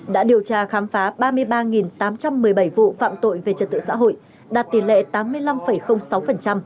đã điều tra khám phá ba mươi ba tám trăm một mươi bảy vụ phạm tội về trật tự xã hội đạt tỷ lệ tám mươi năm sáu